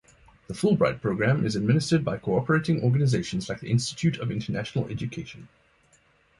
The Fulbright Program is administered by cooperating organizations like the Institute of International Education.